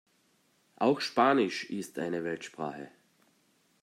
Auch Spanisch ist eine Weltsprache.